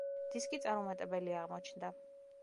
დისკი წარუმატებელი აღმოჩნდა.